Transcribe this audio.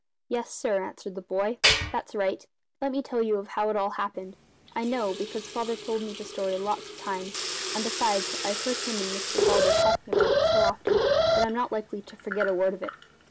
"Yes, sir," answered the boy, "that's right. Let me tell you how it all happened. I know, because Father told me the story lots of times; and besides, I've heard him and Mr Barber talking about it so often that I'm not likely to forget a word of it.